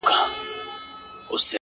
یو ډارونکی ـ ورانونکی شی خو هم نه دی ـ